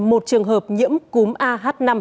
một trường hợp nhiễm cúm ah năm